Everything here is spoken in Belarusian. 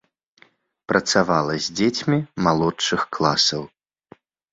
Працавала з дзецьмі малодшых класаў.